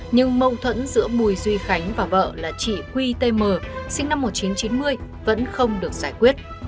nhưng mâu thuẫn giữa bùi duy khánh và vợ là chị huy t m sinh năm một nghìn chín trăm chín mươi vẫn không được giải quyết